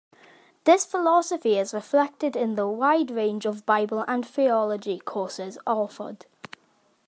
This philosophy is reflected in the wide range of Bible and theology courses offered.